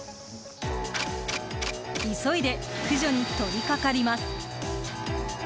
急いで駆除に取り掛かります。